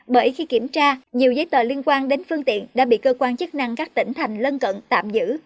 bởi khi kiểm tra nhiều giấy tờ liên quan đến phương tiện đã bị cơ quan chức năng các tỉnh thành lân cận tạm giữ